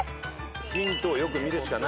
ヒントをよく見るしかないよ。